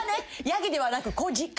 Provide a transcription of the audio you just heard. ヤギではなく子鹿。